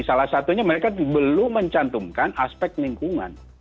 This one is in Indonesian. salah satunya mereka belum mencantumkan aspek lingkungan